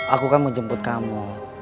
aku kan mau jemput kamu